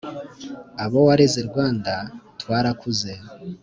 Abowareze Rwanda twarakuze